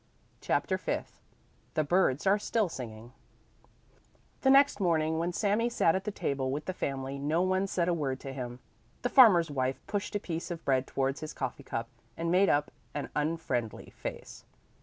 CHAPTER FIFTH THE BIRDS ARE STILL SINGING The next morning when Sami sat at the table with the family, no one said a word to him. The farmer's wife pushed a piece of bread towards his coffee cup and made up an unfriendly face.